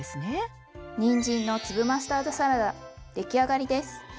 にんじんの粒マスタードサラダ出来上がりです。